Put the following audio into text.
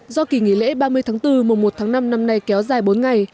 do kỳ nghỉ lễ ba mươi tháng bốn mùa một tháng năm năm nay kéo dài bốn ngày